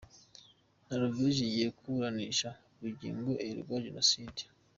Noruveje igiye kuburanisha Bugingo uregwa Jenoside